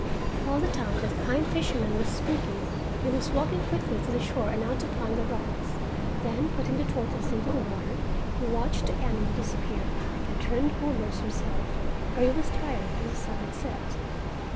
All the time that the kind fisherman was speaking he was walking quickly to the shore and out upon the rocks; then putting the tortoise into the water he watched the animal disappear, and turned homewards himself, for he was tired and the sun had set.